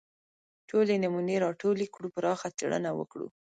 ټولې نمونې راټولې کړو پراخه څېړنه وکړو